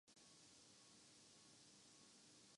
جو صورتحال پیدا ہوئی